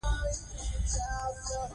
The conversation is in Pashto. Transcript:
شعر تیر شو او مبارزه په نثر کې روانه شوه.